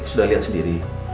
sudah lihat sendiri